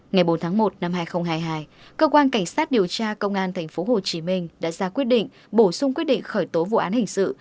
ngày bốn tháng một năm hai nghìn hai mươi hai cơ quan cảnh sát điều tra công an tp hcm đã ra quyết định bổ sung quyết định khởi tố vụ án hình sự